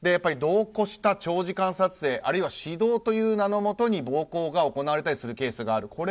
度を越した長時間撮影あるいは指導という名のもとに暴行が行われたりするケースがある。